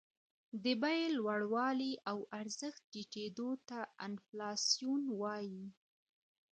د بیې لوړوالي او ارزښت ټیټېدو ته انفلاسیون وايي